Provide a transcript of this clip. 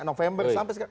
november sampai sekarang